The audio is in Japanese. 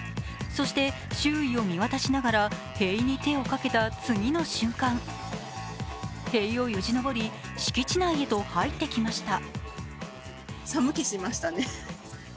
そして周囲を見渡しながら、塀に手をかけた次の瞬間、塀をよじ登り、敷地内へと入っていきました。